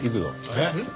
えっ？